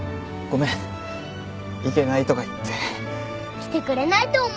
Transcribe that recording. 来てくれないと思ってた。